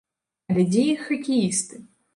Але дзе іх хакеісты?